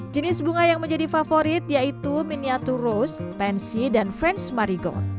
jenis bunga yang menjadi favorit yaitu miniatur rose pensy dan french marigold